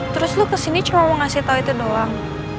terus lo ke sini cuma mau ngasih tau itu doang